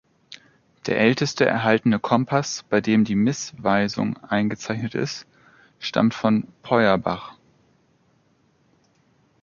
Der älteste erhaltene Kompass, bei dem die Missweisung eingezeichnet ist, stammt von Peuerbach.